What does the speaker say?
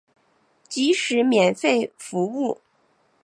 即使免费服务